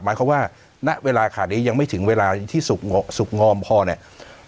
หมายความว่าณเวลาขาดนี้ยังไม่ถึงเวลาที่สุขงอมพอเนี่ย